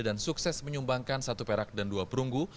dan sukses menyumbangkan satu perak dan dua perunggu